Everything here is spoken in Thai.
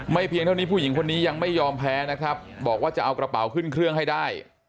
เพียงเท่านี้ผู้หญิงคนนี้ยังไม่ยอมแพ้นะครับบอกว่าจะเอากระเป๋าขึ้นเครื่องให้ได้